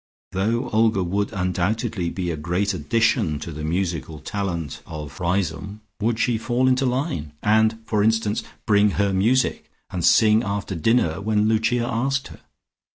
Though Olga would undoubtedly be a great addition to the musical talent of Riseholme, would she fall into line, and, for instance, "bring her music" and sing after dinner when Lucia asked her?